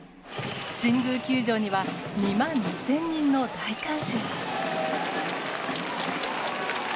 神宮球場には２万２０００人の大観衆が。